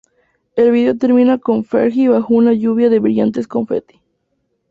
El video termina con Fergie bajo una lluvia de brillantes confeti.